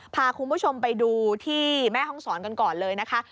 พาคุณผู้ชมไปดูที่แม่ห้องศรกันก่อนเลยนะคะ